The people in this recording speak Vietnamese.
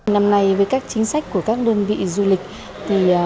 năm nay với các chính sách của các đơn vị du lịch